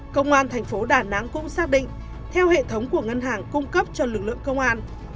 công an thành phố đà nẵng cũng xác định theo hệ thống của ngân hàng cung cấp cho lực lượng công an